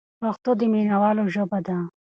پښتو د مینوالو ژبه ده.